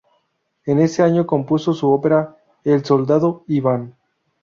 En ese año compuso su ópera "El soldado Iván".